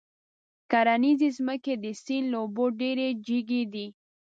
کرنيزې ځمکې د سيند له اوبو ډېرې جګې دي.